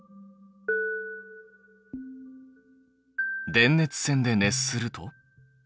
電熱線で熱すると？